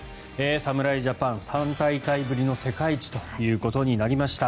侍ジャパン３大会ぶりの世界一となりました。